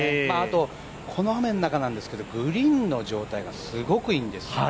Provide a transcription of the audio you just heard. この雨の中なんですけど、グリーンの状態がすごくいいんですね。